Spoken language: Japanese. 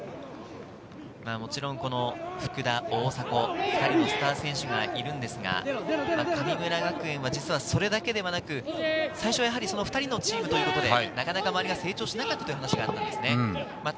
もちろん、福田、大迫、２人のスター選手がいるんですが、神村学園は実はそれだけではなく、最初は２人のチームというところでなかなか周りが成長しなかったというお話がありました。